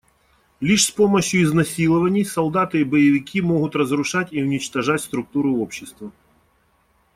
Лишь с помощью изнасилований солдаты и боевики могут разрушать и уничтожать структуру общества.